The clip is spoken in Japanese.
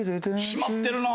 締まってるな